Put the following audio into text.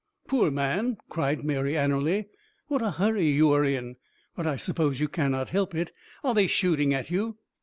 "Poor man!" cried Mary Anerley, "what a hurry you are in. But I suppose you cannot help it. Are they shooting at you?"